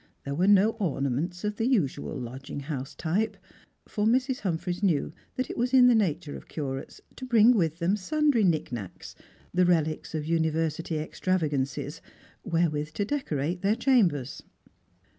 There were no ornaments of the usual lodging house type, for Mrs, Humphreys knew that.it is in the nature of curates to bring with them sundry nicknacks, the relics of university extravagances, wherewith to decorate their chambers.